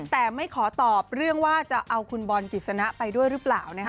แต่ไม่ขอตอบเรื่องว่าจะเอาคุณบอลกฤษณะไปด้วยหรือเปล่านะคะ